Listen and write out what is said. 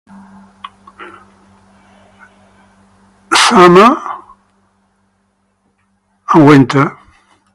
Winter.